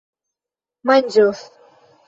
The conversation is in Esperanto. manĝos